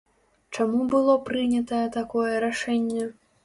Чаму было прынятае такое рашэнне?